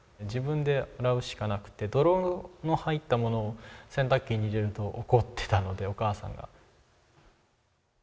自分で洗うしかなくて泥の入ったものを洗濯機に入れると怒ってたのでお母さんが。